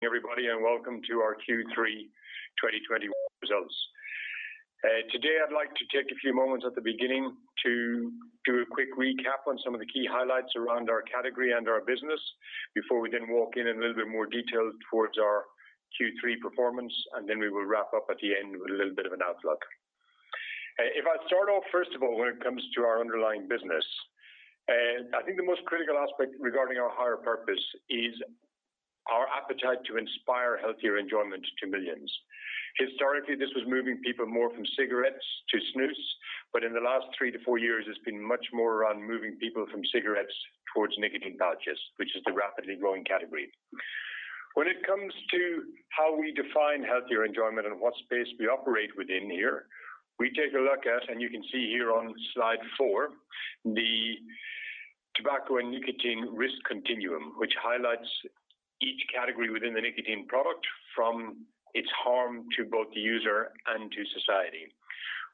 Everybody, and welcome to our Q3 2020 results. Today, I'd like to take a few moments at the beginning to do a quick recap on some of the key highlights around our category and our business, before we then walk in a little bit more detail towards our Q3 performance, and then we will wrap up at the end with a little bit of an outlook. If I start off, first of all, when it comes to our underlying business, I think the most critical aspect regarding our higher purpose is our appetite to inspire healthier enjoyment to millions. Historically, this was moving people more from cigarettes to snus, but in the last three to four years, it's been much more around moving people from cigarettes towards nicotine pouches, which is the rapidly growing category. When it comes to how we define healthier enjoyment and what space we operate within here, we take a look at, and you can see here on slide four, the tobacco and nicotine risk continuum, which highlights each category within the nicotine product from its harm to both the user and to society.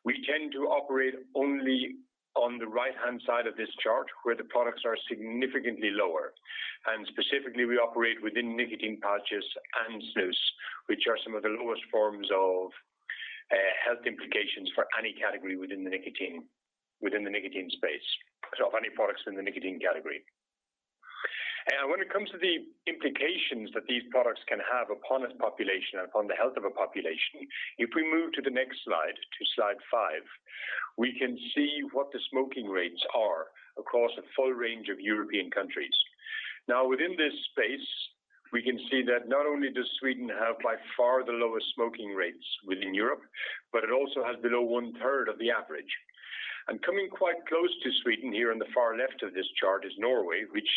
We tend to operate only on the right-hand side of this chart where the products are significantly lower, and specifically, we operate within nicotine pouches and snus, which are some of the lowest forms of health implications for any category within the nicotine space, of any products in the nicotine category. When it comes to the implications that these products can have upon a population and upon the health of a population, if we move to the next slide, to slide five, we can see what the smoking rates are across a full range of European countries. Now, within this space, we can see that not only does Sweden have by far the lowest smoking rates within Europe, but it also has below one-third of the average, and coming quite close to Sweden here on the far left of this chart is Norway, which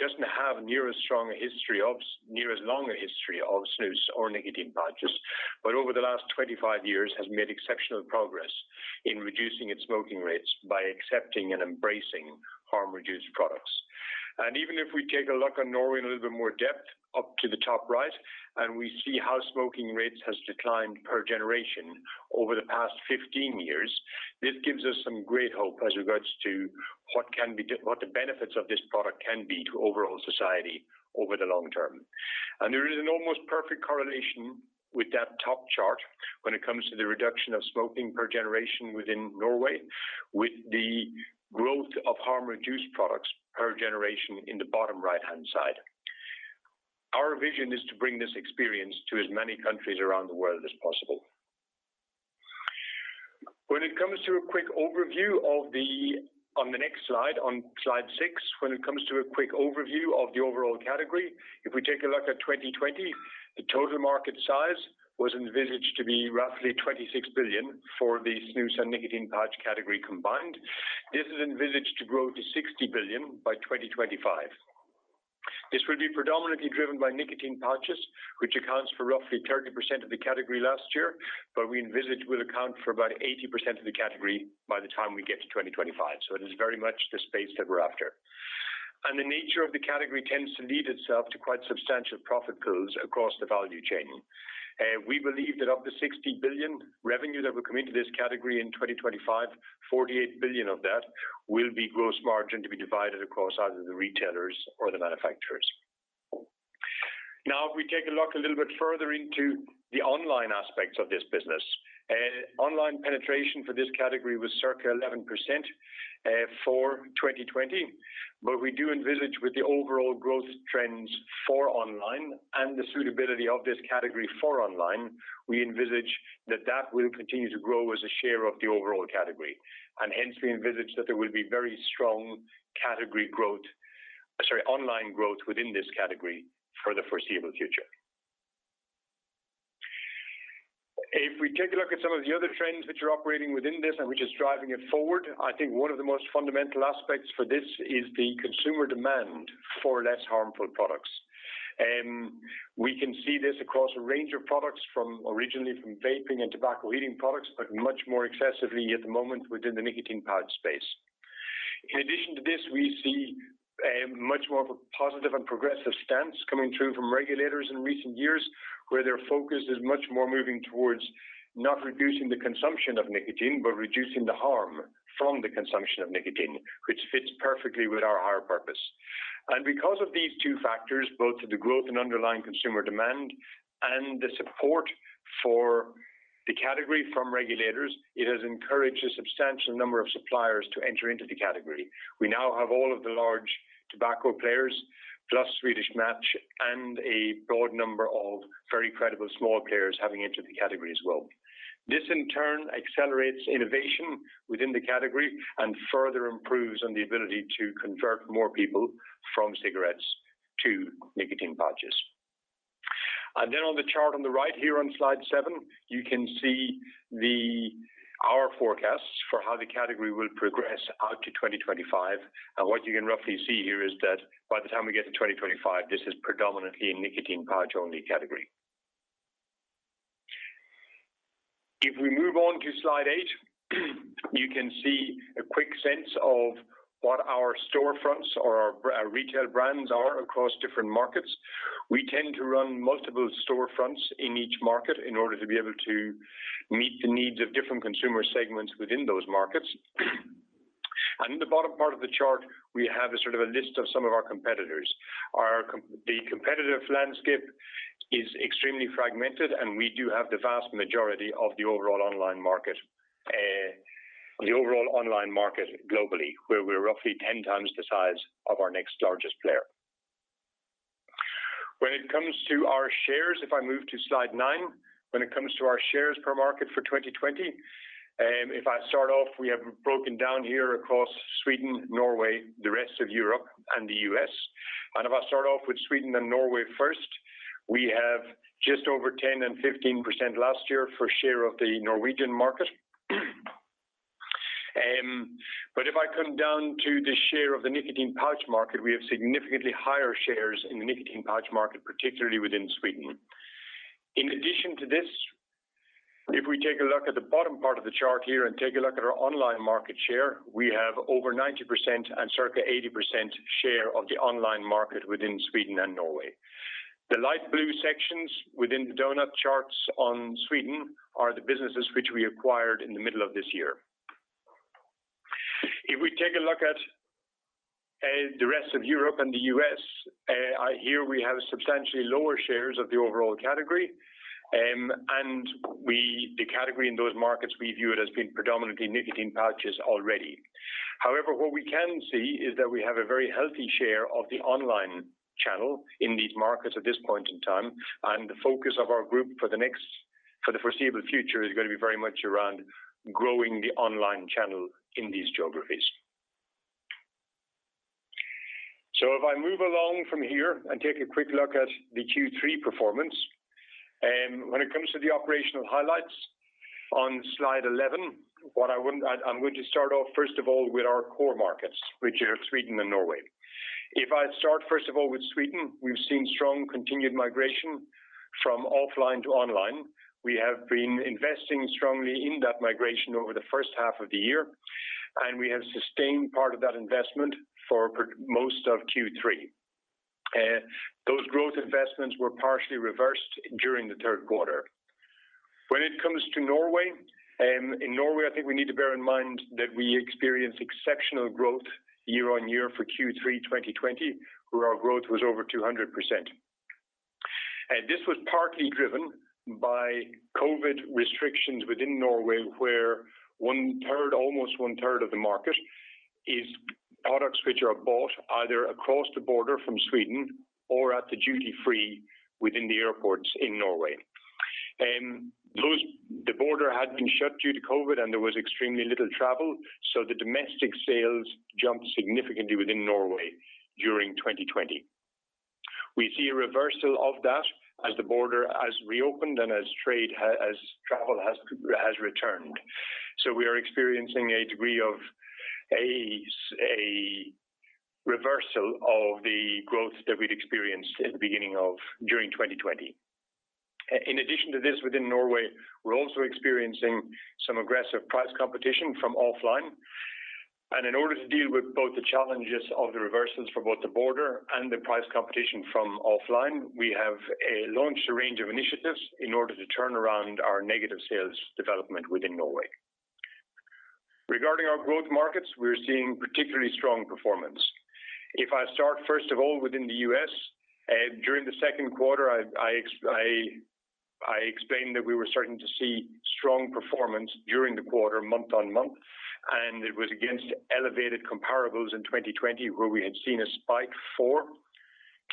doesn't have nearly as strong a history, nearly as long a history of snus or nicotine pouches, but over the last 25 years has made exceptional progress in reducing its smoking rates by accepting and embracing harm-reduced products, and even if we take a look on Norway in a little bit more depth, up to the top right, and we see how smoking rates have declined per generation over the past 15 years, this gives us some great hope as regards to what the benefits of this product can be to overall society over the long term. There is an almost perfect correlation with that top chart when it comes to the reduction of smoking per generation within Norway, with the growth of harm-reduced products per generation in the bottom right-hand side. Our vision is to bring this experience to as many countries around the world as possible. When it comes to a quick overview of the overall category, on the next slide, on slide six, if we take a look at 2020, the total market size was envisaged to be roughly $26 billion for the snus and nicotine pouch category combined. This is envisaged to grow to $60 billion by 2025. This will be predominantly driven by nicotine pouches, which accounts for roughly 30% of the category last year, but we envisage will account for about 80% of the category by the time we get to 2025. So it is very much the space that we're after. And the nature of the category tends to lend itself to quite substantial profit pools across the value chain. We believe that of the 60 billion revenue that will come into this category in 2025, 48 billion of that will be gross margin to be divided across either the retailers or the manufacturers. Now, if we take a look a little bit further into the online aspects of this business, online penetration for this category was circa 11% for 2020, but we do envisage with the overall growth trends for online and the suitability of this category for online, we envisage that that will continue to grow as a share of the overall category, and hence, we envisage that there will be very strong category growth, sorry, online growth within this category for the foreseeable future. If we take a look at some of the other trends which are operating within this and which are driving it forward, I think one of the most fundamental aspects for this is the consumer demand for less harmful products. We can see this across a range of products from originally from vaping and tobacco heating products, but much more excessively at the moment within the nicotine pouch space. In addition to this, we see much more of a positive and progressive stance coming through from regulators in recent years where their focus is much more moving towards not reducing the consumption of nicotine, but reducing the harm from the consumption of nicotine, which fits perfectly with our higher purpose, and because of these two factors, both the growth in underlying consumer demand and the support for the category from regulators, it has encouraged a substantial number of suppliers to enter into the category. We now have all of the large tobacco players, plus Swedish Match and a broad number of very credible small players having entered the category as well. This, in turn, accelerates innovation within the category and further improves on the ability to convert more people from cigarettes to nicotine pouches, and then on the chart on the right here on slide seven, you can see our forecasts for how the category will progress out to 2025, and what you can roughly see here is that by the time we get to 2025, this is predominantly a nicotine pouch-only category. If we move on to slide eight, you can see a quick sense of what our storefronts or our retail brands are across different markets. We tend to run multiple storefronts in each market in order to be able to meet the needs of different consumer segments within those markets, and in the bottom part of the chart, we have a sort of a list of some of our competitors. The competitive landscape is extremely fragmented, and we do have the vast majority of the overall online market, the overall online market globally, where we're roughly 10 times the size of our next largest player. When it comes to our shares, if I move to slide 9, when it comes to our shares per market for 2020, if I start off, we have broken down here across Sweden, Norway, the rest of Europe, and the U.S. And if I start off with Sweden and Norway first, we have just over 10% and 15% last year for share of the Norwegian market. But if I come down to the share of the nicotine pouch market, we have significantly higher shares in the nicotine pouch market, particularly within Sweden. In addition to this, if we take a look at the bottom part of the chart here and take a look at our online market share, we have over 90% and circa 80% share of the online market within Sweden and Norway. The light blue sections within the donut charts on Sweden are the businesses which we acquired in the middle of this year. If we take a look at the rest of Europe and the US, here we have substantially lower shares of the overall category, and the category in those markets, we view it as being predominantly nicotine pouches already. However, what we can see is that we have a very healthy share of the online channel in these markets at this point in time, and the focus of our group for the foreseeable future is going to be very much around growing the online channel in these geographies. So if I move along from here and take a quick look at the Q3 performance, when it comes to the operational highlights on slide 11, what I want, I'm going to start off first of all with our core markets, which are Sweden and Norway. If I start first of all with Sweden, we've seen strong continued migration from offline to online. We have been investing strongly in that migration over the first half of the year, and we have sustained part of that investment for most of Q3. Those growth investments were partially reversed during the third quarter. When it comes to Norway, in Norway, I think we need to bear in mind that we experienced exceptional growth year-on-year for Q3 2020, where our growth was over 200%. This was partly driven by COVID restrictions within Norway, where one-third, almost one-third of the market is products which are bought either across the border from Sweden or at the duty-free within the airports in Norway. The border had been shut due to COVID, and there was extremely little travel, so the domestic sales jumped significantly within Norway during 2020. We see a reversal of that as the border has reopened and as travel has returned. So we are experiencing a degree of a reversal of the growth that we'd experienced at the beginning of during 2020. In addition to this, within Norway, we're also experiencing some aggressive price competition from offline. In order to deal with both the challenges of the reversals for both the border and the price competition from offline, we have launched a range of initiatives in order to turn around our negative sales development within Norway. Regarding our growth markets, we're seeing particularly strong performance. If I start first of all within the U.S., during the second quarter, I explained that we were starting to see strong performance during the quarter, month on month, and it was against elevated comparables in 2020, where we had seen a spike for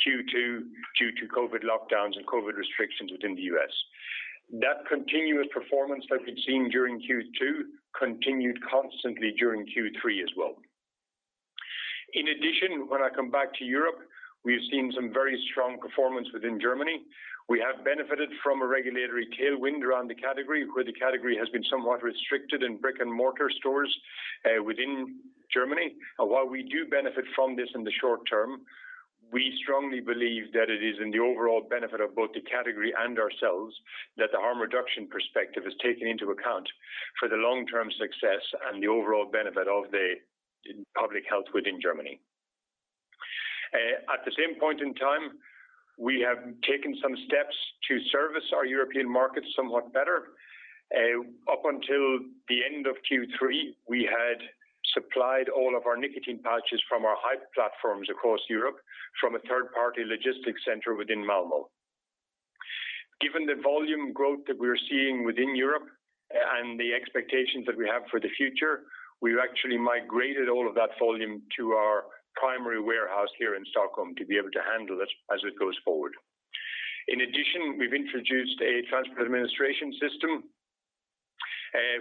Q2 due to COVID lockdowns and COVID restrictions within the U.S. That continuous performance that we'd seen during Q2 continued constantly during Q3 as well. In addition, when I come back to Europe, we've seen some very strong performance within Germany. We have benefited from a regulatory tailwind around the category, where the category has been somewhat restricted in brick-and-mortar stores within Germany. While we do benefit from this in the short term, we strongly believe that it is in the overall benefit of both the category and ourselves that the harm reduction perspective is taken into account for the long-term success and the overall benefit of the public health within Germany. At the same point in time, we have taken some steps to service our European markets somewhat better. Up until the end of Q3, we had supplied all of our nicotine pouches from our Haypp platforms across Europe from a third-party logistics center within Malmö. Given the volume growth that we're seeing within Europe and the expectations that we have for the future, we've actually migrated all of that volume to our primary warehouse here in Stockholm to be able to handle it as it goes forward. In addition, we've introduced a transport administration system,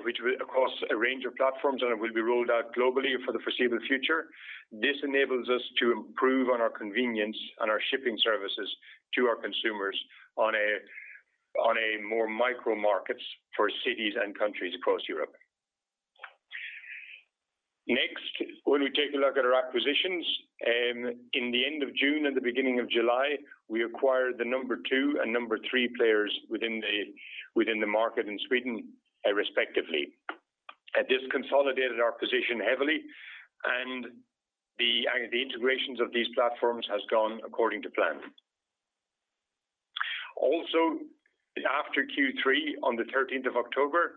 which across a range of platforms, and it will be rolled out globally for the foreseeable future. This enables us to improve on our convenience and our shipping services to our consumers on a more micro market for cities and countries across Europe. Next, when we take a look at our acquisitions, in the end of June and the beginning of July, we acquired the number two and number three players within the market in Sweden, respectively. This consolidated our position heavily, and the integrations of these platforms have gone according to plan. Also, after Q3, on the 13th of October,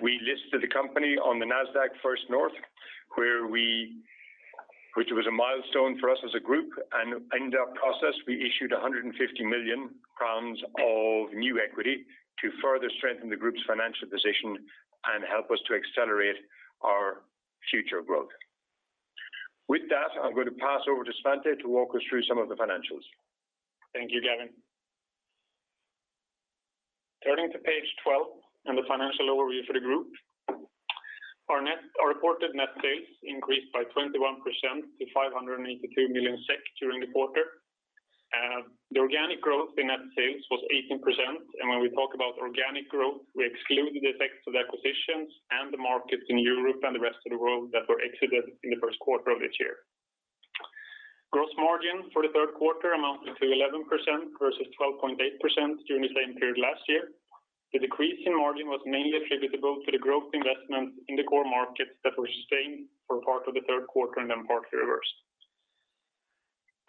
we listed the company on the Nasdaq First North, which was a milestone for us as a group. And in that process, we issued 150 million pounds of new equity to further strengthen the group's financial position and help us to accelerate our future growth. With that, I'm going to pass over to Svante to walk us through some of the financials. Thank you, Gavin. Turning to page 12 and the financial overview for the group, our reported net sales increased by 21% to 582 million SEK during the quarter. The organic growth in net sales was 18%, and when we talk about organic growth, we excluded the effects of acquisitions and the markets in Europe and the rest of the world that were exited in the first quarter of this year. Gross margin for the third quarter amounted to 11% versus 12.8% during the same period last year. The decrease in margin was mainly attributable to the growth investments in the core markets that were sustained for part of the third quarter and then partly reversed.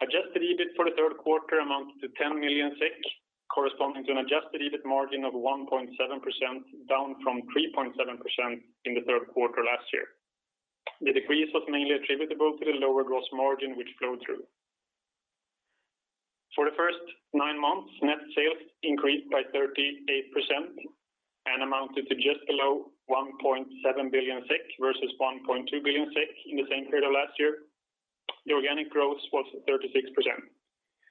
Adjusted EBIT for the third quarter amounted to 10 million SEK, corresponding to an adjusted EBIT margin of 1.7%, down from 3.7% in the third quarter last year. The decrease was mainly attributable to the lower gross margin, which flowed through. For the first nine months, net sales increased by 38% and amounted to just below 1.7 billion SEK versus 1.2 billion SEK in the same period of last year. The organic growth was 36%.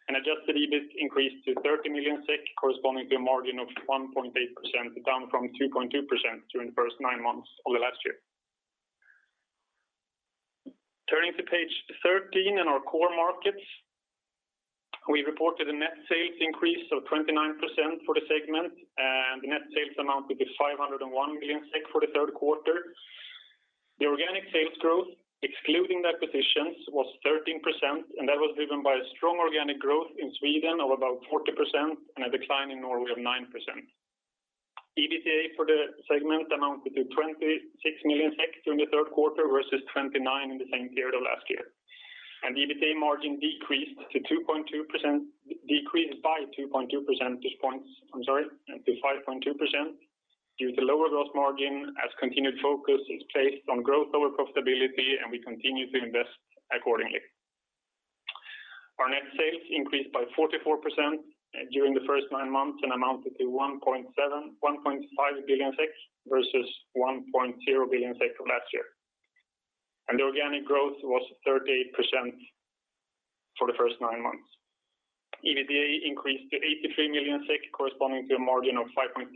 And Adjusted EBIT increased to 30 million SEK, corresponding to a margin of 1.8%, down from 2.2% during the first nine months of the last year. Turning to page 13 and our core markets, we reported a net sales increase of 29% for the segment, and the net sales amounted to 501 million SEK for the third quarter. The organic sales growth, excluding the acquisitions, was 13%, and that was driven by a strong organic growth in Sweden of about 40% and a decline in Norway of 9%. EBITDA for the segment amounted to 26 million SEK during the third quarter versus 29 in the same period of last year. The EBITDA margin decreased by 2.2%, I'm sorry, to 5.2% due to lower gross margin as continued focus is placed on growth over profitability, and we continue to invest accordingly. Our net sales increased by 44% during the first nine months and amounted to 1.5 billion SEK versus 1.0 billion SEK of last year. The organic growth was 38% for the first nine months. EBITDA increased to 83 million SEK, corresponding to a margin of 5.6%.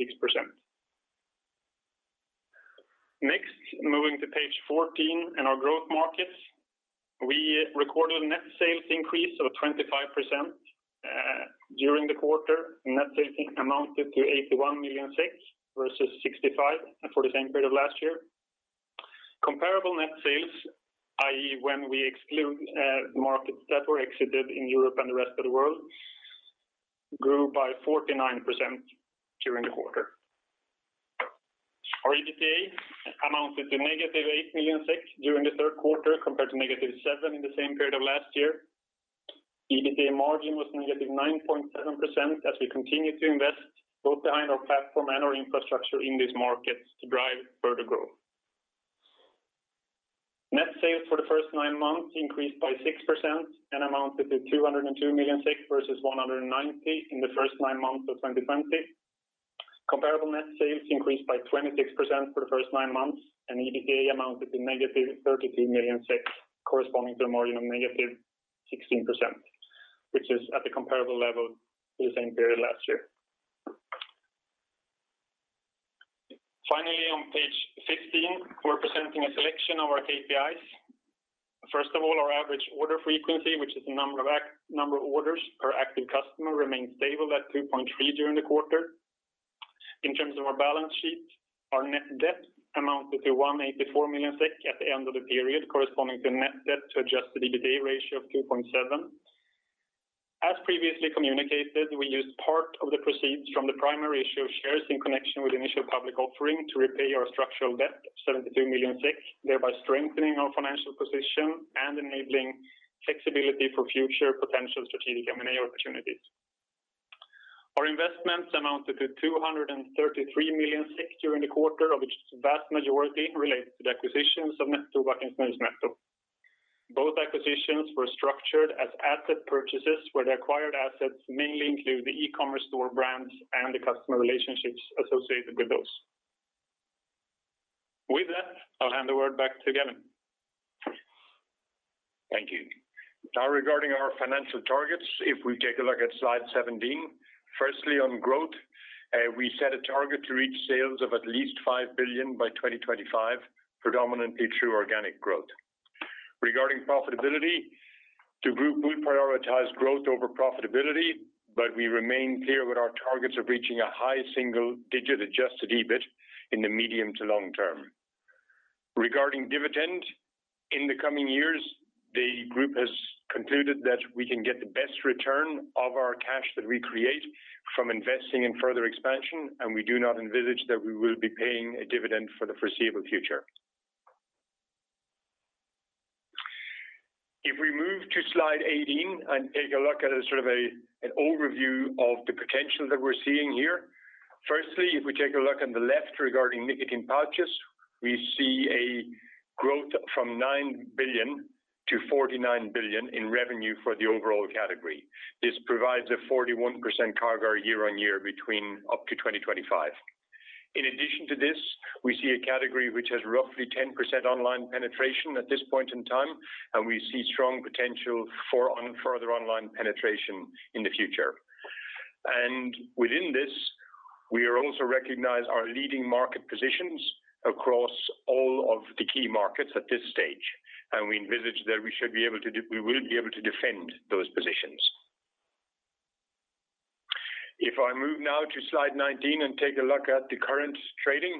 Next, moving to page 14 and our growth markets, we recorded a net sales increase of 25% during the quarter. Net sales amounted to 81 million versus 65 million for the same period of last year. Comparable net sales, i.e., when we exclude markets that were exited in Europe and the rest of the world, grew by 49% during the quarter. Our EBITDA amounted to negative 8 million SEK during the third quarter compared to negative 7 million in the same period of last year. EBITDA margin was negative 9.7% as we continued to invest both behind our platform and our infrastructure in these markets to drive further growth. Net sales for the first nine months increased by 6% and amounted to 202 million versus 190 million in the first nine months of 2020. Comparable net sales increased by 26% for the first nine months, and EBITDA amounted to negative 32 million SEK, corresponding to a margin of negative 16%, which is at a comparable level to the same period last year. Finally, on page 15, we're presenting a selection of our KPIs. First of all, our average order frequency, which is the number of orders per active customer, remained stable at 2.3 during the quarter. In terms of our balance sheet, our net debt amounted to 184 million SEK at the end of the period, corresponding to net debt to Adjusted EBITDA ratio of 2.7. As previously communicated, we used part of the proceeds from the primary issue of shares in connection with initial public offering to repay our structural debt of 72 million SEK, thereby strengthening our financial position and enabling flexibility for future potential strategic M&A opportunities. Our investments amounted to 233 million during the quarter, of which the vast majority related to the acquisitions of Nettotobak. Both acquisitions were structured as asset purchases, where the acquired assets mainly include the e-commerce store brands and the customer relationships associated with those. With that, I'll hand the word back to Gavin. Thank you. Now, regarding our financial targets, if we take a look at slide 17, firstly, on growth, we set a target to reach sales of at least 5 billion by 2025, predominantly through organic growth. Regarding profitability, the group will prioritize growth over profitability, but we remain clear with our targets of reaching a high single-digit adjusted EBIT in the medium to long term. Regarding dividend, in the coming years, the group has concluded that we can get the best return of our cash that we create from investing in further expansion, and we do not envisage that we will be paying a dividend for the foreseeable future. If we move to slide 18 and take a look at sort of an overview of the potential that we're seeing here, firstly, if we take a look on the left regarding nicotine pouches, we see a growth from 9 billion to 49 billion in revenue for the overall category. This provides a 41% CAGR year-on-year between up to 2025. In addition to this, we see a category which has roughly 10% online penetration at this point in time, and we see strong potential for further online penetration in the future. And within this, we also recognize our leading market positions across all of the key markets at this stage, and we envisage that we should be able to, we will be able to defend those positions. If I move now to slide 19 and take a look at the current trading,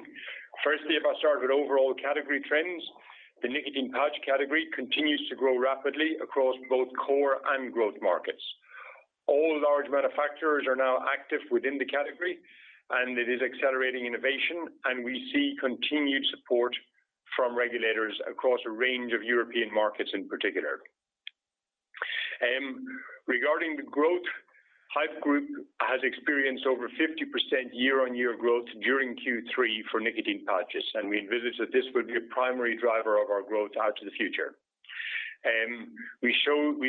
firstly, if I start with overall category trends, the nicotine pouch category continues to grow rapidly across both core and growth markets. All large manufacturers are now active within the category, and it is accelerating innovation, and we see continued support from regulators across a range of European markets in particular. Regarding the growth, Haypp Group has experienced over 50% year-on-year growth during Q3 for nicotine pouches, and we envisage that this would be a primary driver of our growth out to the future. We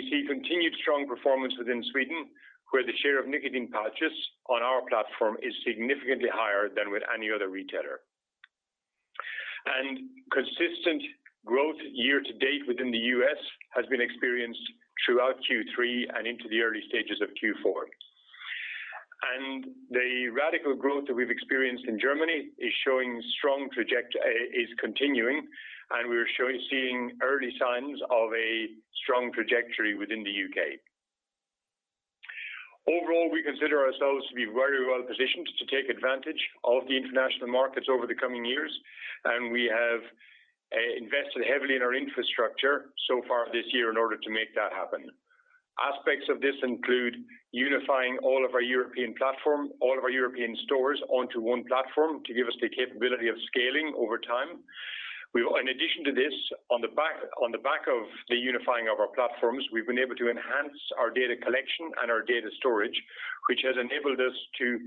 see continued strong performance within Sweden, where the share of nicotine pouches on our platform is significantly higher than with any other retailer. Consistent growth year to date within the US has been experienced throughout Q3 and into the early stages of Q4. The rapid growth that we've experienced in Germany is showing strong trajectory, is continuing, and we are seeing early signs of a strong trajectory within the U.K. Overall, we consider ourselves to be very well positioned to take advantage of the international markets over the coming years, and we have invested heavily in our infrastructure so far this year in order to make that happen. Aspects of this include unifying all of our European platform, all of our European stores onto one platform to give us the capability of scaling over time. In addition to this, on the back of the unifying of our platforms, we've been able to enhance our data collection and our data storage, which has enabled us to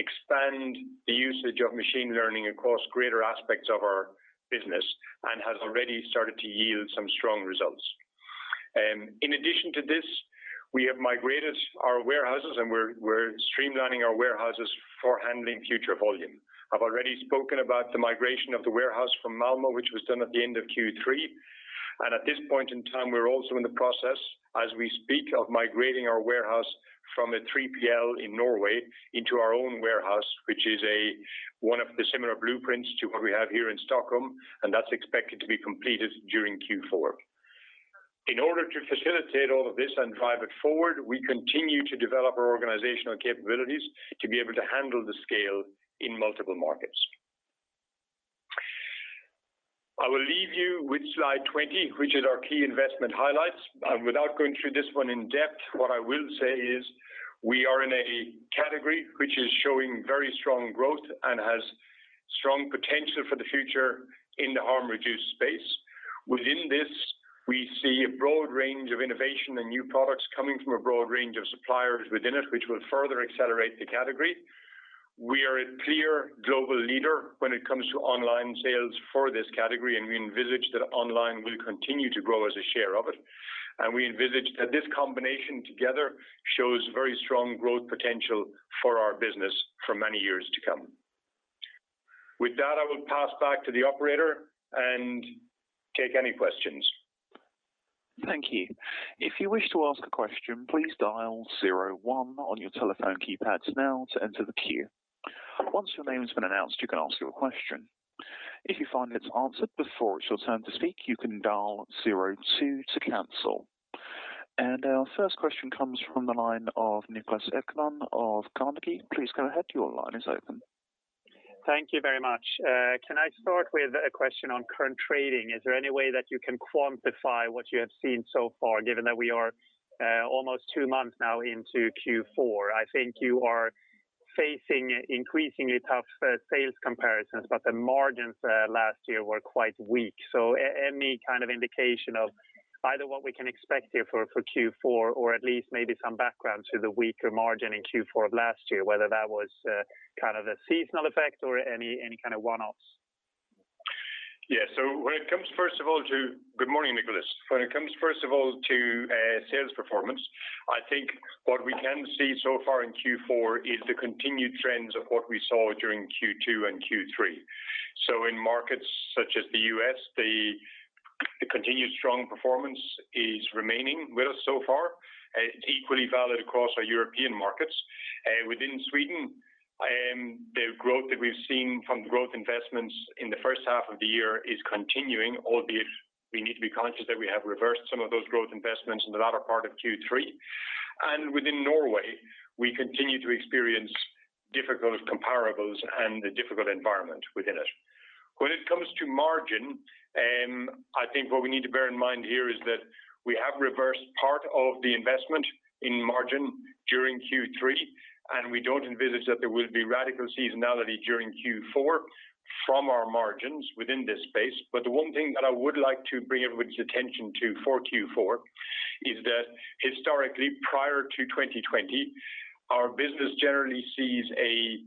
expand the usage of machine learning across greater aspects of our business and has already started to yield some strong results. In addition to this, we have migrated our warehouses, and we're streamlining our warehouses for handling future volume. I've already spoken about the migration of the warehouse from Malmö, which was done at the end of Q3, and at this point in time, we're also in the process, as we speak, of migrating our warehouse from a 3PL in Norway into our own warehouse, which is one of the similar blueprints to what we have here in Stockholm, and that's expected to be completed during Q4. In order to facilitate all of this and drive it forward, we continue to develop our organizational capabilities to be able to handle the scale in multiple markets. I will leave you with slide 20, which is our key investment highlights. Without going through this one in depth, what I will say is we are in a category which is showing very strong growth and has strong potential for the future in the harm-reduced space. Within this, we see a broad range of innovation and new products coming from a broad range of suppliers within it, which will further accelerate the category. We are a clear global leader when it comes to online sales for this category, and we envisage that online will continue to grow as a share of it. And we envisage that this combination together shows very strong growth potential for our business for many years to come. With that, I will pass back to the operator and take any questions. Thank you. If you wish to ask a question, please dial zero one on your telephone keypad now to enter the queue. Once your name has been announced, you can ask your question. If you find it's answered before it's your turn to speak, you can dial zero two to cancel. And our first question comes from the line of Niklas Ekman of Carnegie. Please go ahead. Your line is open. Thank you very much. Can I start with a question on current trading? Is there any way that you can quantify what you have seen so far, given that we are almost two months now into Q4? I think you are facing increasingly tough sales comparisons, but the margins last year were quite weak. So any kind of indication of either what we can expect here for Q4, or at least maybe some background to the weaker margin in Q4 of last year, whether that was kind of a seasonal effect or any kind of one-offs? Yeah. So, first of all, good morning, Niklas. When it comes, first of all, to sales performance, I think what we can see so far in Q4 is the continued trends of what we saw during Q2 and Q3. So in markets such as the U.S., the continued strong performance is remaining with us so far. It's equally valid across our European markets. Within Sweden, the growth that we've seen from the growth investments in the first half of the year is continuing, albeit we need to be conscious that we have reversed some of those growth investments in the latter part of Q3, and within Norway, we continue to experience difficult comparables and a difficult environment within it. When it comes to margin, I think what we need to bear in mind here is that we have reversed part of the investment in margin during Q3, and we don't envisage that there will be radical seasonality during Q4 from our margins within this space, but the one thing that I would like to bring everybody's attention to for Q4 is that historically, prior to 2020, our business generally sees a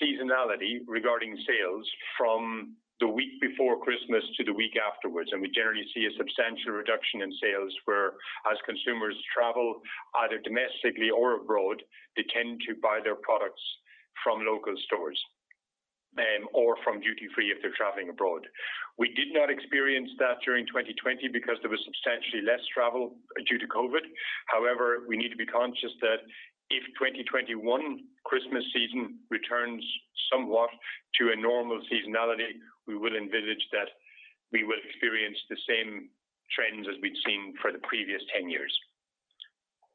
seasonality regarding sales from the week before Christmas to the week afterwards. We generally see a substantial reduction in sales where, as consumers travel either domestically or abroad, they tend to buy their products from local stores or from duty-free if they're traveling abroad. We did not experience that during 2020 because there was substantially less travel due to COVID. However, we need to be conscious that if 2021 Christmas season returns somewhat to a normal seasonality, we will envisage that we will experience the same trends as we've seen for the previous 10 years.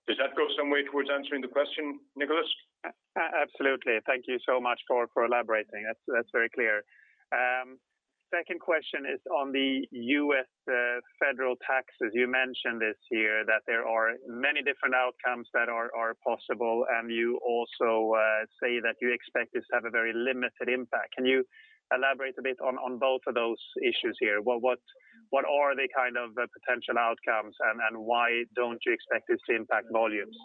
Does that go some way towards answering the question, Niklas? Absolutely. Thank you so much for elaborating. That's very clear. Second question is on the U.S. federal taxes. You mentioned this year that there are many different outcomes that are possible, and you also say that you expect this to have a very limited impact. Can you elaborate a bit on both of those issues here? What are the kind of potential outcomes, and why don't you expect this to impact volumes?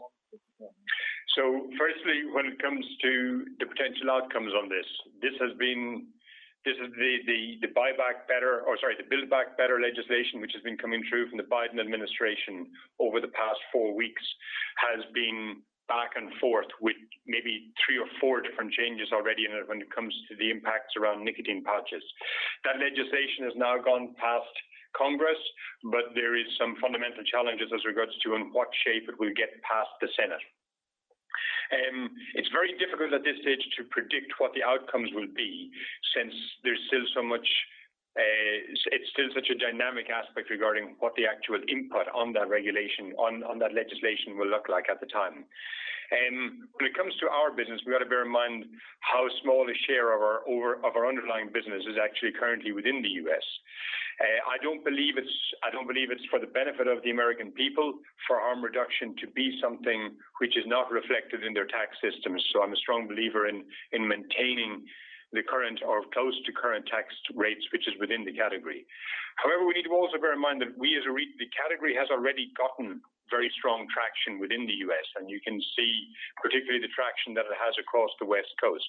So firstly, when it comes to the potential outcomes on this, this has been the Build Back Better, or sorry, the Build Back Better legislation, which has been coming through from the Biden administration over the past four weeks, has been back and forth with maybe three or four different changes already when it comes to the impacts around nicotine pouches. That legislation has now gone past Congress, but there are some fundamental challenges as regards to in what shape it will get past the Senate. It's very difficult at this stage to predict what the outcomes will be since there's still so much, it's still such a dynamic aspect regarding what the actual input on that regulation, on that legislation will look like at the time. When it comes to our business, we've got to bear in mind how small a share of our underlying business is actually currently within the U.S. I don't believe it's for the benefit of the American people for harm reduction to be something which is not reflected in their tax systems. So I'm a strong believer in maintaining the current or close to current tax rates, which is within the category. However, we need to also bear in mind that we, as a category, have already gotten very strong traction within the U.S., and you can see particularly the traction that it has across the West Coast.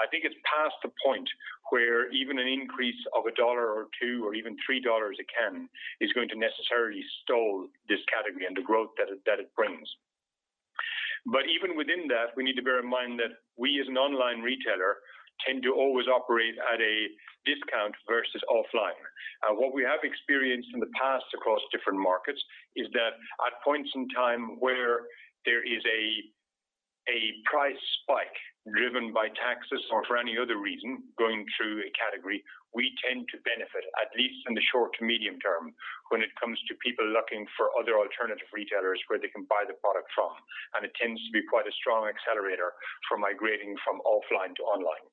I think it's past the point where even an increase of $1 or t$2 or even $3 a can is going to necessarily stall this category and the growth that it brings. Even within that, we need to bear in mind that we, as an online retailer, tend to always operate at a discount versus offline. And what we have experienced in the past across different markets is that at points in time where there is a price spike driven by taxes or for any other reason going through a category, we tend to benefit, at least in the short to medium term, when it comes to people looking for other alternative retailers where they can buy the product from. And it tends to be quite a strong accelerator for migrating from offline to online.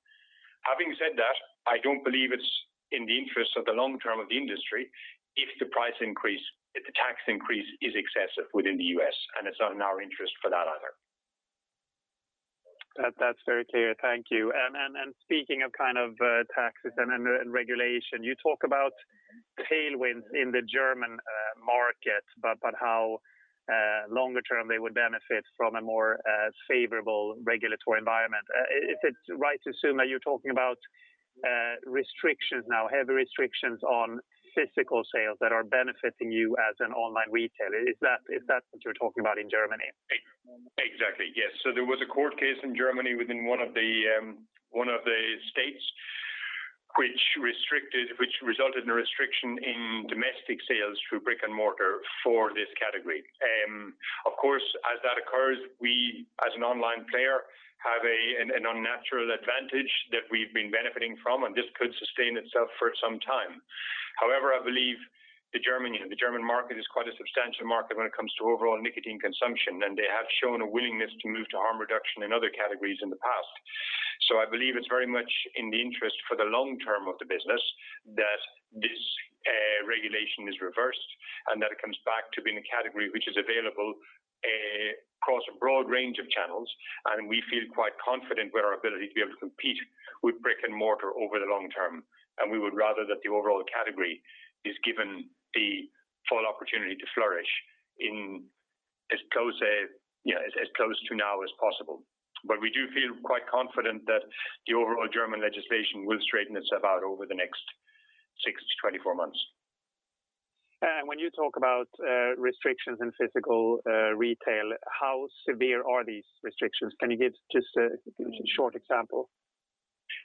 Having said that, I don't believe it's in the interest of the long term of the industry if the price increase, if the tax increase is excessive within the U.S., and it's not in our interest for that either. That's very clear. Thank you. And speaking of kind of taxes and regulation, you talk about tailwinds in the German market, but how longer term they would benefit from a more favorable regulatory environment. Is it right to assume that you're talking about restrictions now, heavy restrictions on physical sales that are benefiting you as an online retailer? Is that what you're talking about in Germany? Exactly. Yes, so there was a court case in Germany within one of the states which resulted in a restriction in domestic sales through brick and mortar for this category. Of course, as that occurs, we as an online player have an unnatural advantage that we've been benefiting from, and this could sustain itself for some time. However, I believe the German market is quite a substantial market when it comes to overall nicotine consumption, and they have shown a willingness to move to harm reduction in other categories in the past, so I believe it's very much in the interest for the long term of the business that this regulation is reversed and that it comes back to being a category which is available across a broad range of channels, and we feel quite confident with our ability to be able to compete with brick and mortar over the long term, and we would rather that the overall category is given the full opportunity to flourish as close to now as possible, but we do feel quite confident that the overall German legislation will straighten itself out over the next 6 to 24 months. And when you talk about restrictions in physical retail, how severe are these restrictions? Can you give just a short example?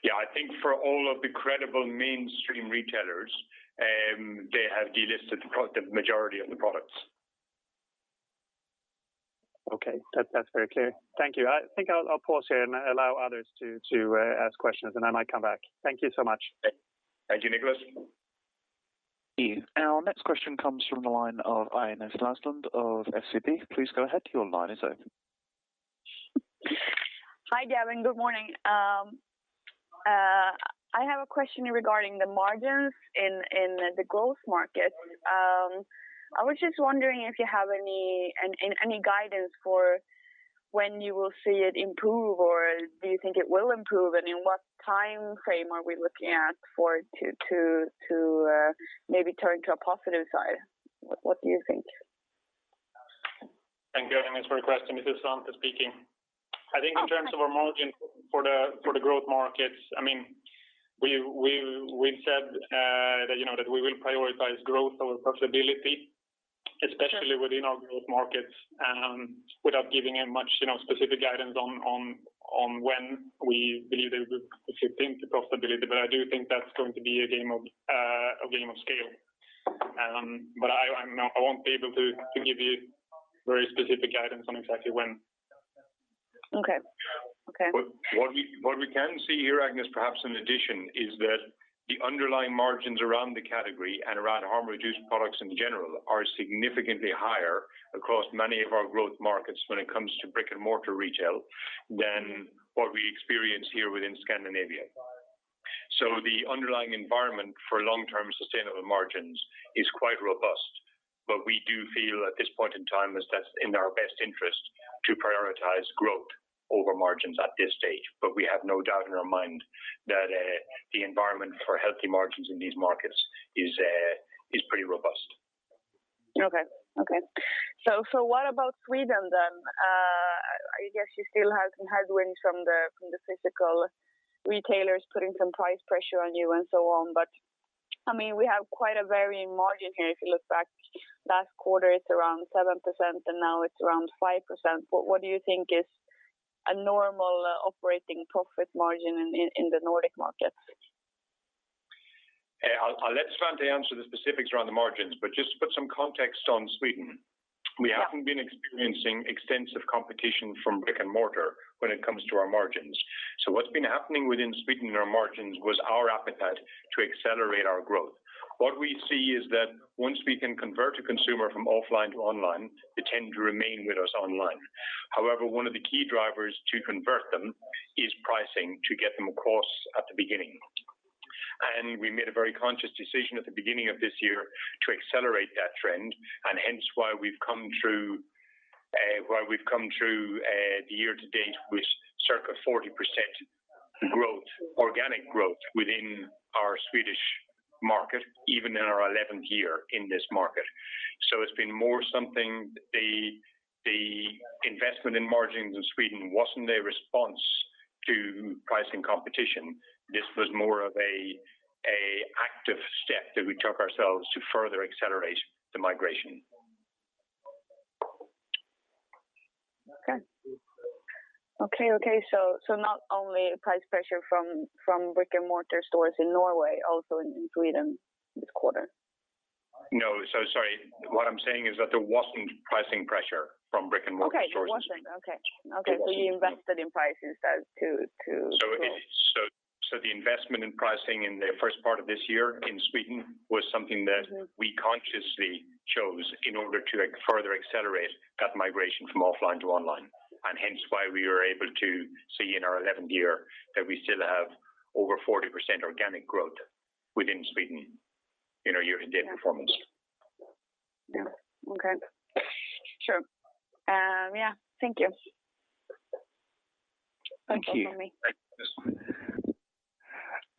Yeah. I think for all of the credible mainstream retailers, they have delisted the majority of the products. Okay. That's very clear. Thank you. I think I'll pause here and allow others to ask questions, and I might come back. Thank you so much. Thank you, Niklas. Our next question comes from the line of Agnes Lysell of SEB. Please go ahead. Your line is open. Hi, Gavin. Good morning. I have a question regarding the margins in the growth markets. I was just wondering if you have any guidance for when you will see it improve or do you think it will improve and in what time frame are we looking at for it to maybe turn to a positive side? What do you think? Thank you, I think it's for a question. This is Svante speaking. I think in terms of our margin for the growth markets, I mean, we've said that we will prioritize growth over profitability, especially within our growth markets, without giving much specific guidance on when we believe they will fit into profitability. But I do think that's going to be a game of scale. But I won't be able to give you very specific guidance on exactly when. Okay. Okay. What we can see here, Agnes, perhaps in addition, is that the underlying margins around the category and around harm-reduced products in general are significantly higher across many of our growth markets when it comes to brick and mortar retail than what we experience here within Scandinavia. So the underlying environment for long-term sustainable margins is quite robust. But we do feel at this point in time that that's in our best interest to prioritize growth over margins at this stage. But we have no doubt in our mind that the environment for healthy margins in these markets is pretty robust. Okay. Okay. So what about Sweden then? I guess you still have some headwinds from the physical retailers putting some price pressure on you and so on. But I mean, we have quite a varying margin here. If you look back, last quarter it's around 7%, and now it's around 5%. What do you think is a normal operating profit margin in the Nordic markets? I'll let Svante answer the specifics around the margins. But just to put some context on Sweden, we haven't been experiencing extensive competition from brick and mortar when it comes to our margins. What's been happening within Sweden in our margins was our appetite to accelerate our growth. What we see is that once we can convert a consumer from offline to online, they tend to remain with us online. However, one of the key drivers to convert them is pricing to get them across at the beginning. And we made a very conscious decision at the beginning of this year to accelerate that trend, and hence why we've come through the year to date with circa 40% growth, organic growth within our Swedish market, even in our 11th year in this market. It's been more something the investment in margins in Sweden wasn't a response to pricing competition. This was more of an active step that we took ourselves to further accelerate the migration. So, not only price pressure from brick-and-mortar stores in Norway, also in Sweden this quarter? No. So sorry. What I'm saying is that there wasn't pricing pressure from brick-and-mortar stores in Sweden. Okay. There wasn't. Okay. Okay. So you invested in price instead too. So the investment in pricing in the first part of this year in Sweden was something that we consciously chose in order to further accelerate that migration from offline to online. And hence why we were able to see in our 11th year that we still have over 40% organic growth within Sweden in our year-to-date performance. Yeah. Okay. Sure. Yeah. Thank you. Thank you.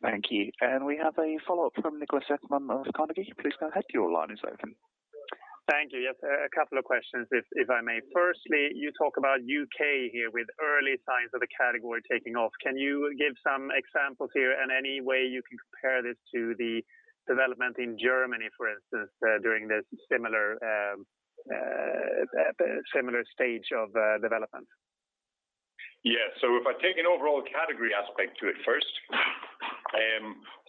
Thank you. And we have a follow-up from Niklas Ekman of Carnegie. Please go ahead. Your line is open. Thank you. Yes. A couple of questions, if I may. Firstly, you talk about U.K. here with early signs of the category taking off. Can you give some examples here and any way you can compare this to the development in Germany, for instance, during this similar stage of development? Yeah. So if I take an overall category aspect to it first,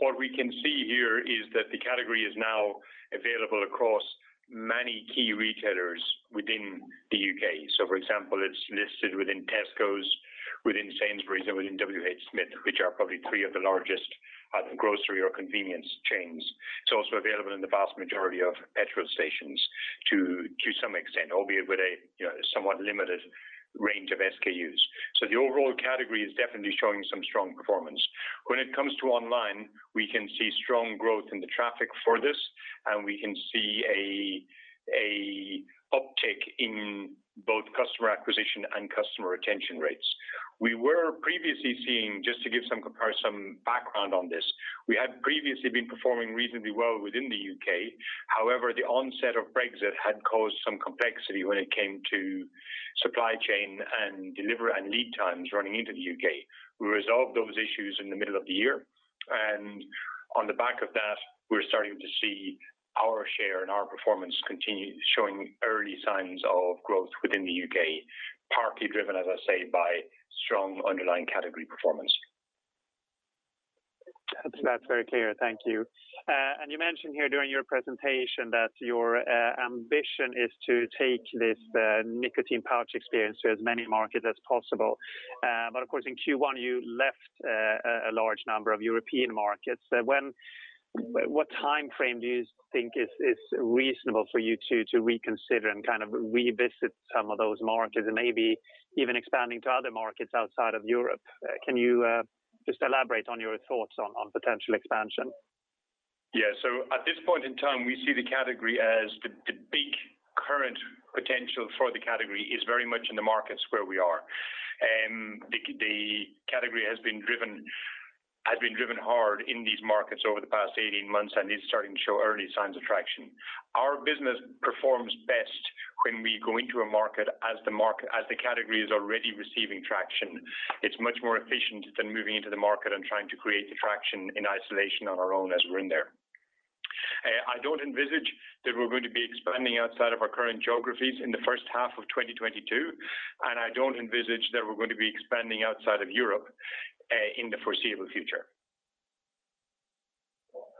what we can see here is that the category is now available across many key retailers within the U.K. So for example, it's listed within Tesco's, within Sainsbury's, and within WHSmith, which are probably three of the largest grocery or convenience chains. It's also available in the vast majority of petrol stations to some extent, albeit with a somewhat limited range of SKUs. So the overall category is definitely showing some strong performance. When it comes to online, we can see strong growth in the traffic for this, and we can see an uptick in both customer acquisition and customer retention rates. We were previously seeing, just to give some background on this, we had previously been performing reasonably well within the U.K. However, the onset of Brexit had caused some complexity when it came to supply chain and delivery and lead times running into the U.K. We resolved those issues in the middle of the year. And on the back of that, we're starting to see our share and our performance showing early signs of growth within the U.K, partly driven, as I say, by strong underlying category performance. That's very clear. Thank you. And you mentioned here during your presentation that your ambition is to take this nicotine pouch experience to as many markets as possible. But of course, in Q1, you left a large number of European markets. What time frame do you think is reasonable for you to reconsider and kind of revisit some of those markets and maybe even expanding to other markets outside of Europe? Can you just elaborate on your thoughts on potential expansion? Yeah. So at this point in time, we see the category as the big current potential for the category is very much in the markets where we are. The category has been driven hard in these markets over the past 18 months and is starting to show early signs of traction. Our business performs best when we go into a market as the category is already receiving traction. It's much more efficient than moving into the market and trying to create the traction in isolation on our own as we're in there. I don't envisage that we're going to be expanding outside of our current geographies in the first half of 2022, and I don't envisage that we're going to be expanding outside of Europe in the foreseeable future.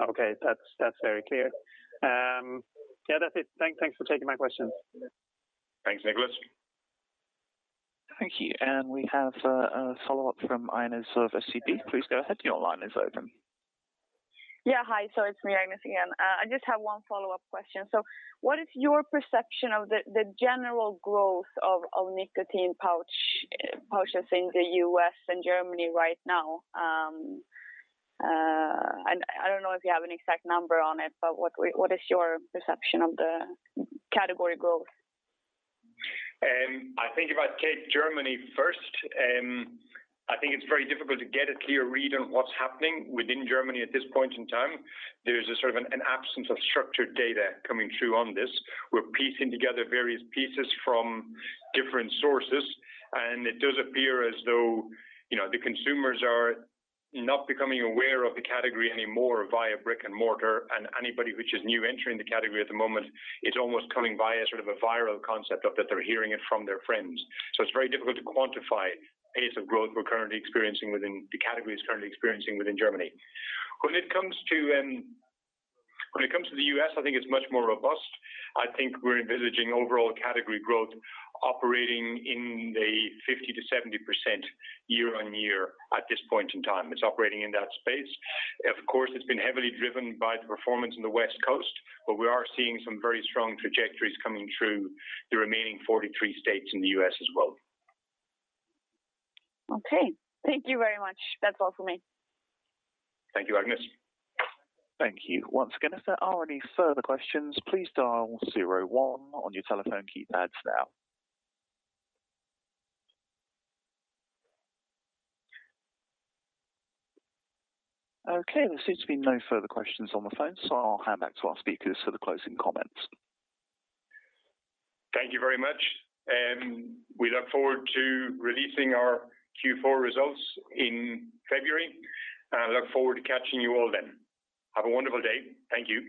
Okay. That's very clear. Yeah. That's it. Thanks for taking my questions. Thanks, Niklas. Thank you, and we have a follow-up from Agnes of SEB Please go ahead. Your line is open. Yeah. Hi. So it's me, Agnes, again. I just have one follow-up question. So what is your perception of the general growth of nicotine pouches in the U.S. and Germany right now? And I don't know if you have an exact number on it, but what is your perception of the category growth? I think if I take Germany first, I think it's very difficult to get a clear read on what's happening within Germany at this point in time. There's a sort of an absence of structured data coming through on this. We're piecing together various pieces from different sources, and it does appear as though the consumers are not becoming aware of the category anymore via brick and mortar, and anybody which is new entering the category at the moment, it's almost coming via sort of a viral concept of that they're hearing it from their friends, so it's very difficult to quantify the pace of growth the category is currently experiencing within Germany. When it comes to the U.S., I think it's much more robust. I think we're envisaging overall category growth operating in the 50%-70% year-on-year at this point in time. It's operating in that space. Of course, it's been heavily driven by the performance in the West Coast, but we are seeing some very strong trajectories coming through the remaining 43 states in the U.S. as well. Okay. Thank you very much. That's all for me. Thank you, Agnes. Thank you. Once again, if there are any further questions, please dial zero one on your telephone keypads now. Okay. There seems to be no further questions on the phone, so I'll hand back to our speakers for the closing comments. Thank you very much. We look forward to releasing our Q4 results in February and look forward to catching you all then. Have a wonderful day. Thank you.